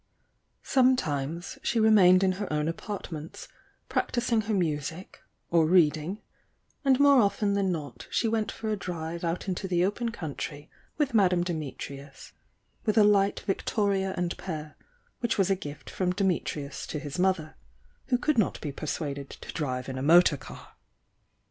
Sometimes she remained in her own apart ments, practising her music, or reading, — and more often than not she went for a drive out into the open country with Madame Dimitrius with the light victoria and pair, which was a gift from Dimitrius to his mother, who could not be persuaded to drive in a motor car.